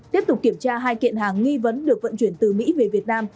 tiếp tục kiểm tra hai kiện hàng nghi vấn được vận chuyển từ mỹ về việt nam